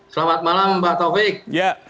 selamat malam mbak taufik